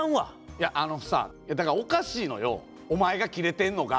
いや、あのさ、だからおかしいのよ、お前が切れてんのが。